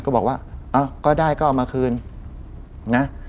ก็บอกว่าก็ได้ก็เอามาคืนนะ